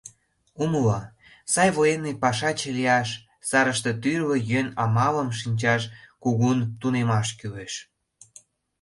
Умыло: сай военный пашаче лияш, сарыште тӱрлӧ йӧн-амалым шинчаш кугун тунемаш кӱлеш...